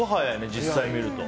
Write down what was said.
実際見ると。